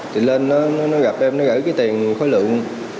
thì lên nó gặp em nó gửi cái tiền khối lượng